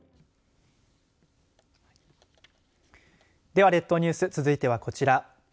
では、列島ニュース続いてはこちら。